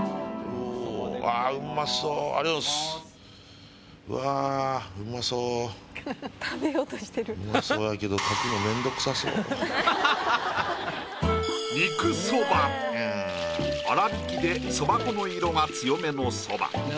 うわウマそーやけど粗びきでそば粉の色が強めのそば。